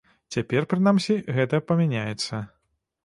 Цяпер прынамсі гэта памяняецца.